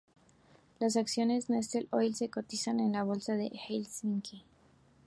Las acciones de Neste Oil se cotizan en la Bolsa de Helsinki.